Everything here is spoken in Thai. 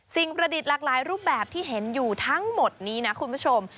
ประดิษฐ์หลากหลายรูปแบบที่เห็นอยู่ทั้งหมดนี้นะคุณผู้ชม